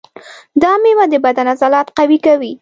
دا مېوه د بدن عضلات قوي کوي.